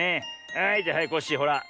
はいじゃはいコッシーほら。